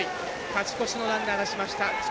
勝ち越しのランナー出しました。